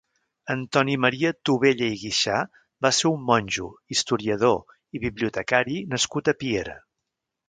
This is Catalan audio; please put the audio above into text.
Antoni Maria Tobella i Guixà va ser un monjo, historiador i bibliotecari nascut a Piera.